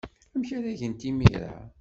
Amek ara gent imir-a?